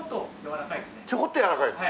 ちょこっとやわらかいですね。